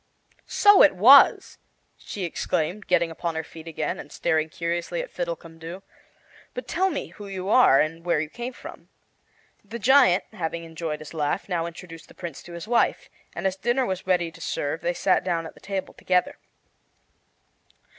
"So it was," she exclaimed, getting upon her feet again, and staring curiously at Fiddlecumdoo. "But tell me who you are and where you came from." The giant, having enjoyed his laugh, now introduced the Prince to his wife, and as dinner was ready to serve they sat down at the table together.